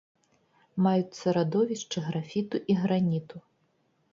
Маюцца радовішчы графіту і граніту.